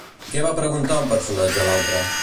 Què va preguntar un personatge a l'altre?